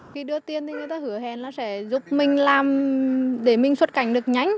khi đưa tiền thì người ta hứa hẹn là sẽ giúp mình làm để mình xuất cảnh được nhanh